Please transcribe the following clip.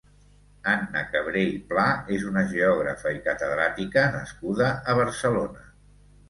Anna Cabré i Pla és una geògrafa i catedràtica nascuda a Barcelona.